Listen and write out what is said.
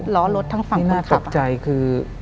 ล้อรถทั้งฝั่งคนขับที่น่ากลับใจคือ